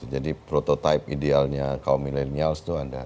jadi prototipe idealnya kaum milenial itu ada